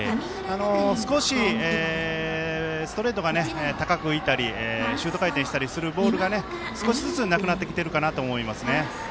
少しストレートが高く浮いたりシュート回転したりするボールが少しずつ、なくなってきてるかなと思います。